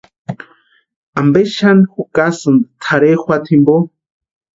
¿Ampe xani jukasïni tʼarhe juata jimpo?